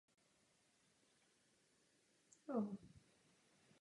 V čele okresu opět stál hejtman jmenovaný ministrem vnitra.